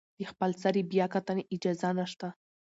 د خپلسرې بیاکتنې اجازه نشته.